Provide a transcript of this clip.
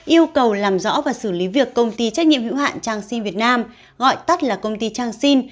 yêu cầu làm rõ và xử lý việc công ty trách nhiệm hữu hạn trang sin việt nam gọi tắt là công ty trang sin